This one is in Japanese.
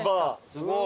すごい。